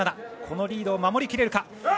このリードを守りきれるか。